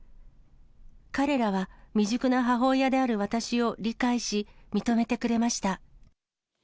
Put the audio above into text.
彼らは、未熟な母親である私を理解し認めてくれました。